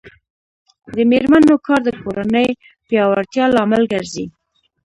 د میرمنو کار د کورنۍ پیاوړتیا لامل ګرځي.